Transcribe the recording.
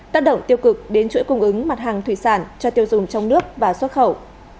tác động tiêu cực đến chuỗi cung ứng mặt hàng thủy sản cho tiêu dùng trong nước và xuất khẩu